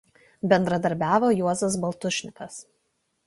Bendradarbiavo Juozas Baltušnikas.